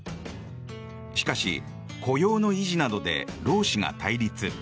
しかし、雇用の維持などで労使が対立。